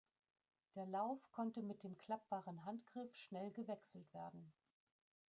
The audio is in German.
Der Lauf konnte mit dem klappbaren Handgriff schnell gewechselt werden.